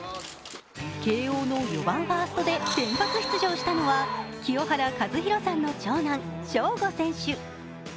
慶応の４番ファーストで先発出場したのは清原和博さんの長男、正吾選手。